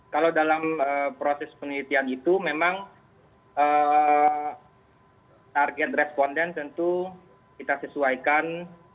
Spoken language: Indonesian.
kalau dalam proses penelitian itu memang target responden tentu kita sesuaikan